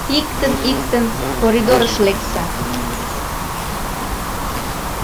Иктын-иктын коридорыш лекса!